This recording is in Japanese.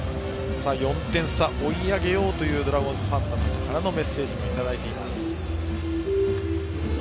４点差、追い上げようというドラゴンズファンの方からのメッセージもいただいています。